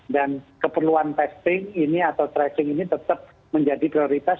dan keperluan testing ini atau tracing ini tetap menjadi prioritas